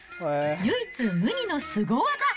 唯一無二のすご技。